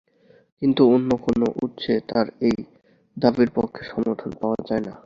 কিন্তু অন্য কোন উৎসে তাঁর এই দাবীর পক্ষে সমর্থন পাওয়া যায়না।